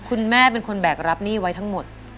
คุณแม่เป็นคนแบกรับหนี้ไว้ทั้งหมด